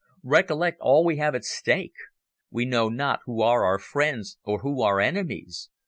Recollect all we have at stake. We know not who are our friends or who our enemies.